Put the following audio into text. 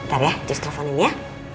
bentar ya just teleponin ya